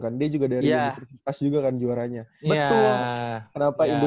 kenapa indonesia nggak coba kayak gitu